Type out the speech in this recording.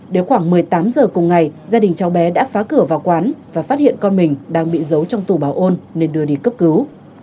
đến khoảng một mươi tám giờ cùng ngày gia đình cháu bé đã phá cửa vào quán và phát hiện con mình đang bị giấu trong tủ bảo ôn nên đưa đi cấp cứu